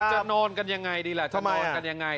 จะโน้นกันยังไงดีแหละจะโน้นกันยังไง